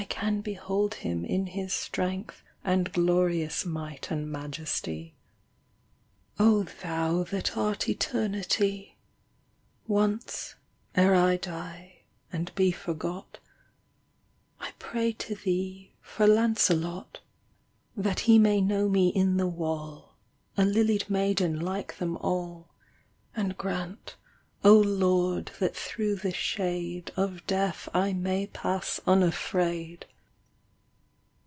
in behold Him m His strength And glorious might and ma; ( )h I'll. hi that art Eternity, I tace, ere I die, and be forgot, 1 pray to Thee for Lancelot The Lady of Shallott. That he may know me in the wall A lilied maiden like them all. And grant, O Lord that through the shade Of Death, I may pass unafraid.